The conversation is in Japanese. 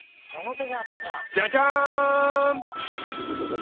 ジャジャン！